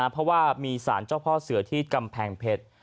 เพราะว่ามีสารเจ้าพ่อเสือที่กำแพงเพชร